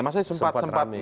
masanya sempat rame